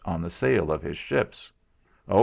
on the sale of his ships. Oh!